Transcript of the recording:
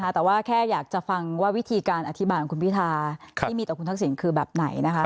แต่ว่าแค่อยากจะฟังว่าวิธีการอธิบายของคุณพิธาที่มีต่อคุณทักษิณคือแบบไหนนะคะ